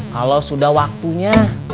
kalau sudah waktunya